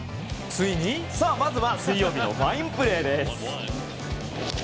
まずは水曜日のファインプレー。